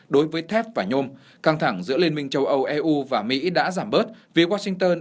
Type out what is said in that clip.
đối với thép và nhôm căng thẳng giữa liên minh châu âu eu và mỹ đã giảm bớt vì washington